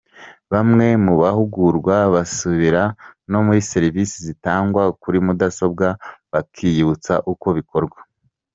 Bamwe mu bahugurwaga basubira no muri Serivise zitangwa kuri mudasobwa bakiyibutsa uko bikorwa.